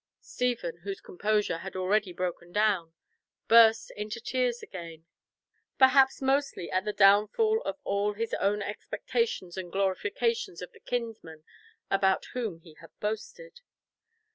Stephen, whose composure had already broken down, burst into tears again, perhaps mostly at the downfall of all his own expectations and glorifications of the kinsman about whom he had boasted.